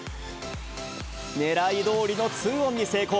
ねらいどおりの２オンに成功。